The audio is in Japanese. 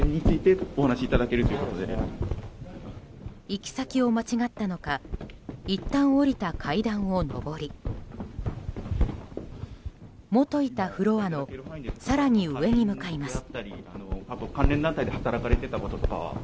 行き先を間違ったのかいったん下りた階段を上りもといたフロアの更に上に向かいます。